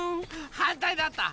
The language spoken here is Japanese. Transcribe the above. はんたいだった。